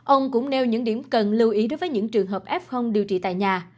ông cũng nêu những điểm cần lưu ý đối với những trường hợp f điều trị tại nhà